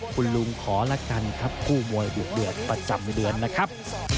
คุณลุงขอละกันครับคู่มวยดุเดือดประจำเดือนนะครับ